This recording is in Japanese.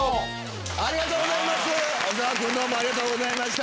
ありがとうございます！